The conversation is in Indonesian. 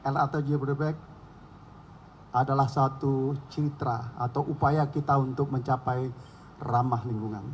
lrt jabodebek adalah satu citra atau upaya kita untuk mencapai ramah lingkungan